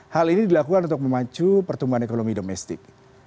hal ini dilakukan untuk memacu pertumbuhan ekonomi domestik